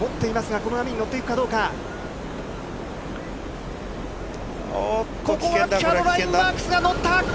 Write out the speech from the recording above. ここはキャロライン・マークスが乗った。